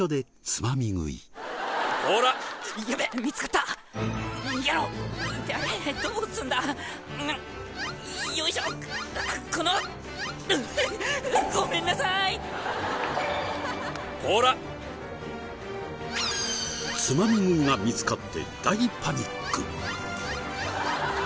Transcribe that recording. つまみ食いが見つかって大パニック！